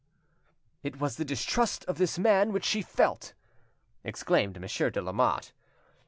"It was the distrust of this man which she felt," exclaimed Monsieur de Lamotte.